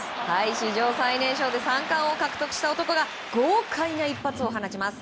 史上最年少で３冠を獲得した男が豪快な一発を放ちます。